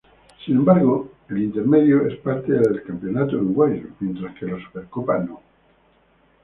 Sin embargo, el Intermedio es parte del Campeonato Uruguayo, mientras que la Supercopa no.